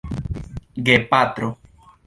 gepatro